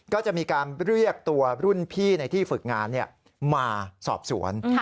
ก็จะมีการเรียกตัวรุ่นพี่ในที่ฝึกงานมาสอบสวน